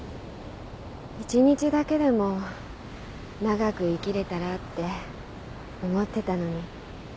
一日だけでも長く生きれたらって思ってたのに。